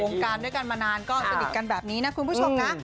การด้วยกันมานานก็สนิทกันแบบนี้นะคุณผู้ชมนะ